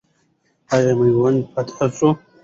آیا میوند فتح سو؟